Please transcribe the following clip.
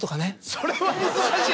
それは難しい。